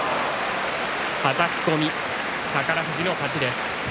はたき込み、宝富士の勝ちです。